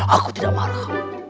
aku tidak marah